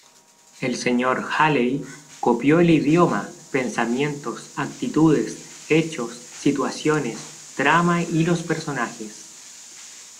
El Sr. Haley copió el idioma, pensamientos, actitudes, hechos, situaciones, trama y los personajes.